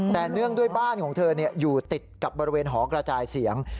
แต่เนื่องด้วยบ้านของเธออยู่ติดกับบริเวณหอกระจายเสียง